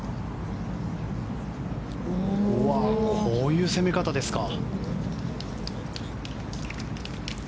こういう攻め方ですか。